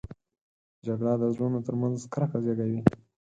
جګړه د زړونو تر منځ کرکه زېږوي